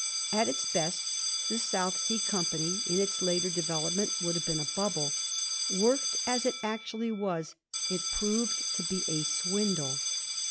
At its best the South Sea Company in its later development would have been a bubble. Worked as it actually was, it proved to be a swindle.